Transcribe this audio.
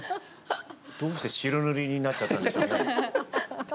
どうして白塗りになっちゃったんでしょうね。